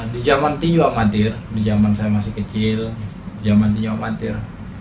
di zaman tinju amatir di zaman saya masih kecil di zaman tinju amatir